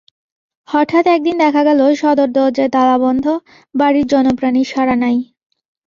হঠাৎ একদিন দেখা গেল সদর দরজায় তালাবন্ধ, বাড়িতে জনপ্রাণীর সাড়া নাই।